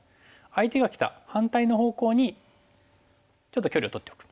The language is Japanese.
相手がきた反対の方向にちょっと距離をとっておく。